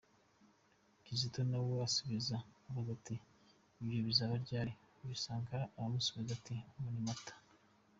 Kizito nawe asubiza abaza ati “Ibyo bizaba ryari?” Uyu Sankara, aramusubiza ati: “Muri Mata.”